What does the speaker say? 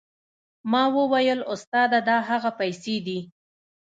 ما وويل استاده دا هغه پيسې دي.